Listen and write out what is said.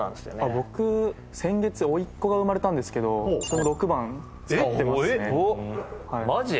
僕先月おいっ子が生まれたんですけどちょうど６番使ってますねマジ？